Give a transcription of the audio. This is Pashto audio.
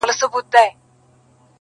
o چي ته حال راكړې گرانه زه درځمه.